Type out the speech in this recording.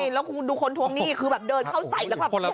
แล้วคุณดูคนทวงหนี้คือแบบเดินเข้าใส่แล้วแบบ